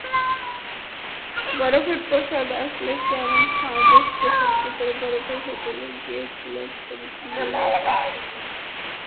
বরফের প্রাসাদ আসলে কেমন হয়, বুঝতে সত্যিকারের বরফের হোটেলে গিয়েছিলেন ছবিটির নির্মাতারা।